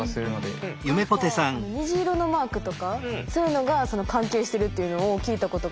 何か虹色のマークとかそういうのが関係してるっていうのを聞いたことがあって。